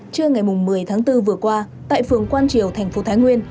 trưa ngày một mươi tháng bốn vừa qua tại phường quan triều thành phố thái nguyên